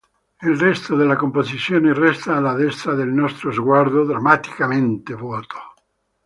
Il resto della composizione resta, alla destra del nostro sguardo, drammaticamente vuoto.